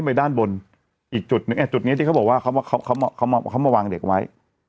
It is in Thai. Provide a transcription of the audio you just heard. ไปด้านบนอีกจุดหนึ่งเนี่ยจุดนี้ที่เขาบอกว่าเขาเขามาวางเด็กไว้